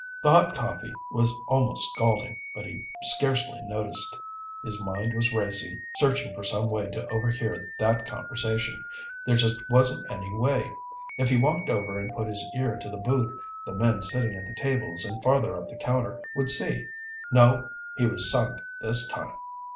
The hot coffee was almost scalding, but he scarcely noticed. His mind was racing, searching for some way to overhear that conversation. There just wasn't any way. If he walked over and put his ear to the booth, the men sitting at the tables and farther up the counter would see. No, he was sunk this time.